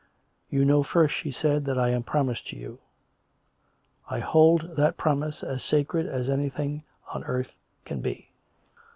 " You know first," she said, " that I am promised to you. I hold that promise as sacred as anything on earth can be."